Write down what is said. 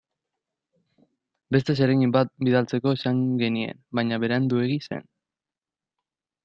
Beste zereginen bat bilatzeko esan nahi genien, baina Beranduegi zen.